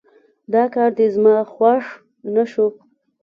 دا کار دې زما خوښ نه شو